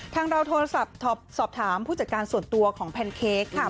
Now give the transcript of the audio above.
เราโทรศัพท์สอบถามผู้จัดการส่วนตัวของแพนเค้กค่ะ